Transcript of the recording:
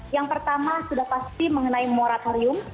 yang pertama sudah pasti mengenai moratorium